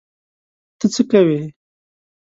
ته څه کوې؟